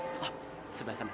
oh sebelah sana